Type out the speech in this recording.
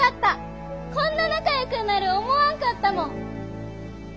こんな仲よくなる思わんかったもん。